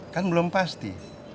kan belum pasti